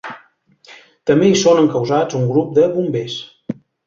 També hi són encausats un grup de bombers.